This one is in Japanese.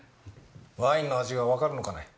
ワインの味がわかるのかね？